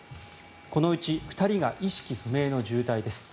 このうち２人が意識不明の重体です。